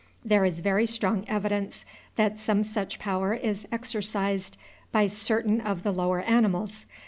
There is very strong evidence that some such power is exercised by certain of the lower animals.